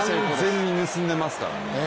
完全に盗んでますからね。